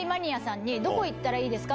どこ行ったらいいですか？